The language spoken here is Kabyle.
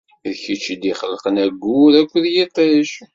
D kečč i d-ixelqen ayyur akked yiṭij.